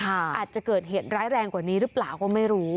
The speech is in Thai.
อาจจะเกิดเหตุร้ายแรงกว่านี้หรือเปล่าก็ไม่รู้